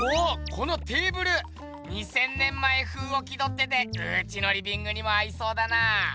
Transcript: このテーブル２，０００年前風を気どっててうちのリビングにも合いそうだな！